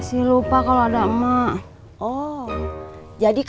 karena keperluan mendadak